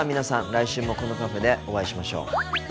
来週もこのカフェでお会いしましょう。